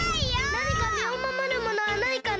なにかみをまもるものはないかな？